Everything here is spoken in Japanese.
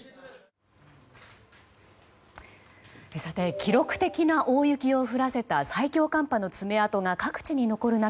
記録的な大雪を降らせた最強寒波の爪痕が各地に残る中